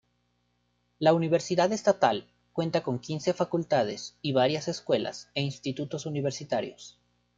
La universidad estatal cuenta con quince facultades y varias escuelas e institutos universitarios.